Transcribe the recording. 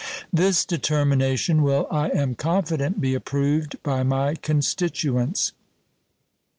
This determination will, I am confident, be approved by my constituents.